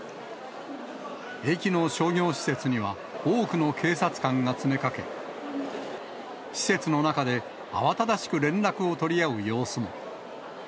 駅の商業施設には、多くの警察官が詰めかけ、施設の中で、慌ただしく連絡を取り合う様子も。